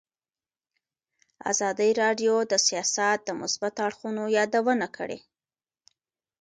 ازادي راډیو د سیاست د مثبتو اړخونو یادونه کړې.